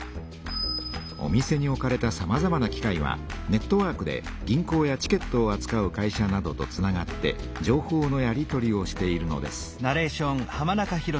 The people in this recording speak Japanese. お店に置かれたさまざまな機械はネットワークで銀行やチケットをあつかう会社などとつながって情報のやり取りをしているのです。